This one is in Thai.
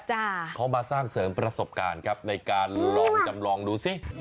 เขามาสร้างเสริมประสบการณ์ครับในการลองจำลองดูสิ